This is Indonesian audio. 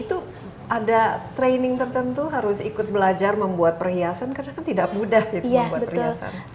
itu ada training tertentu harus ikut belajar membuat perhiasan karena kan tidak mudah membuat perhiasan